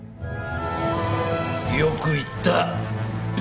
よく言った。